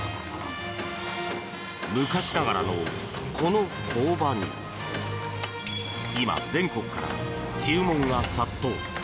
昔ながらの、この工場に今、全国から注文が殺到。